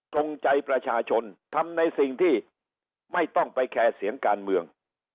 จงใจประชาชนทำในสิ่งที่ไม่ต้องไปแคร์เสียงการเมือง